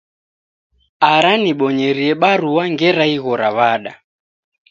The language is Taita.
Ara nibonyerie barua ngera ighora w'ada.